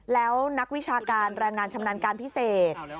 แล้วนักวิชาการแรงงานชำนาญการพิเศษ